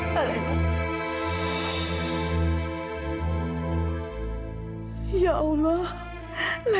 ya allah lagi lagi aku melakukan kesalahan